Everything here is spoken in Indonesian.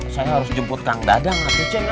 saya harus jemput kang dadang lah tuh ceng